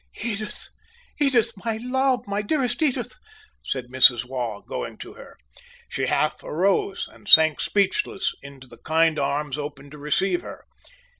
"Edith, my love! My dearest Edith!" said Mrs. Waugh, going to her. She half arose, and sank speechless into the kind arms opened to receive her.